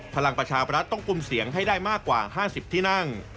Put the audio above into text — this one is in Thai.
พลังประชาบรัฐต้องกลุ่มเสียงให้ได้มากกว่า๕๐ที่นั่ง